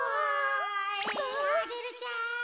おいアゲルちゃん。